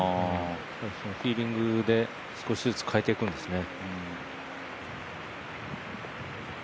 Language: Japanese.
フィーリングで少しずつ変えていくんですね。